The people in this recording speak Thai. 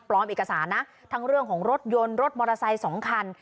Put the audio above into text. เอกสารนะทั้งเรื่องของรถยนต์รถมอเตอร์ไซค์สองคัน